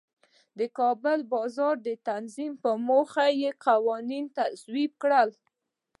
د کار بازار د تنظیم په موخه یې قوانین تصویب کړل.